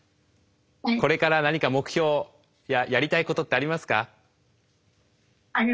これから何か目標やりたいことってありますか？